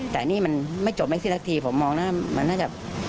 แต่นี่มันไม่จบไม่สิ้นสักทีผมมองหน้ามันน่าจะ